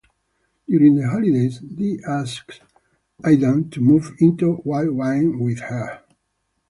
During the holidays, Di asks Aidan to move into Wildwind with her.